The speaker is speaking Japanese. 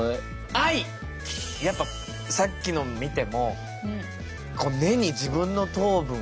やっぱさっきの見ても根に自分の糖分をね